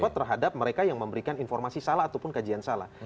terhadap mereka yang memberikan informasi salah ataupun kajian salah